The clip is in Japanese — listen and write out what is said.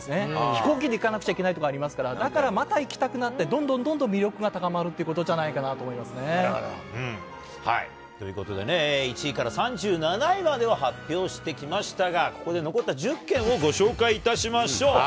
飛行機で行かなくちゃいけない所とかありますから、だからまた行きたくなって、どんどんどんどん魅力が高まるということじゃないということでね、１位から３７位までを発表してきましたが、ここで残った１０県をご紹介いたしましょう。